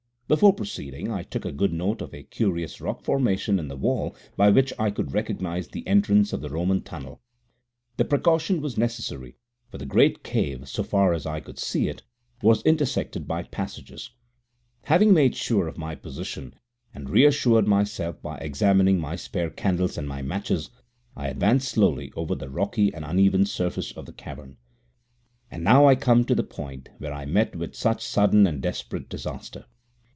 Before proceeding, I took good note of a curious rock formation in the wall by which I could recognize the entrance of the Roman tunnel. The precaution was very necessary, for the great cave, so far as I could see it, was intersected by passages. Having made sure of my position, and reassured myself by examining my spare candles and my matches, I advanced slowly over the rocky and uneven surface of the cavern. And now I come to the point where I met with such sudden and desperate disaster.